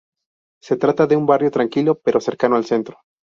Se trata de un barrio tranquilo pero cercano al centro.